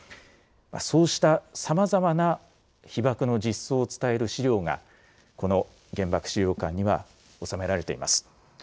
そうしたさまざまな被爆の実相を伝える資料がこの原爆資料館にはおさめられています。